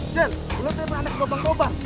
jel lu lihat dia beranek gobang gobang